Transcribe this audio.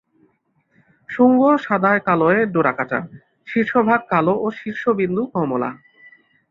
শুঙ্গ সাদায়-কালোয় ডোরাকাটা; শীর্ষভাগ কালো ও শীর্ষবিন্দু কমলা।